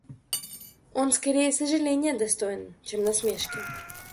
Он скорее сожаления достоин, чем насмешки.